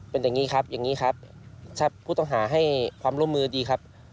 เป็นอย่างนี้ครับอย่างนี้ครับถ้าผู้ต้องหาให้ความร่วมมือดีครับ